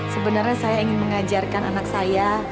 sebenarnya saya ingin mengajarkan anak saya